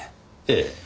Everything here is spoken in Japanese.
ええ。